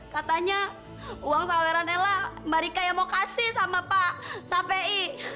katanya uang saweranella mbak rika yang mau kasih sama pak sapi